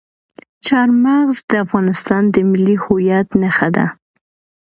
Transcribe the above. چار مغز د افغانستان د ملي هویت نښه ده.